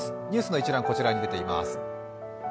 ニュースの一覧、こちらに出ています。